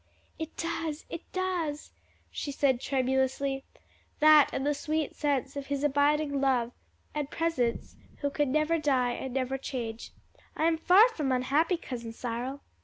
"It does, it does!" she said tremulously, "that and the sweet sense of His abiding love, and presence who can never die and never change. I am far from unhappy, Cousin Cyril.